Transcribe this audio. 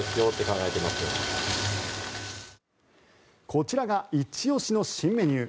こちらがイチ押しの新メニュー。